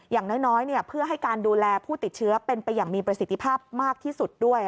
อย่างน้อยเพื่อให้การดูแลผู้ติดเชื้อเป็นไปอย่างมีประสิทธิภาพมากที่สุดด้วย